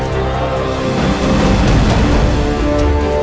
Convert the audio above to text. dewa temen aku